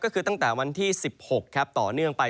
ก็คือตั้งแต่วันที่๑๖ต่อเนื่องไป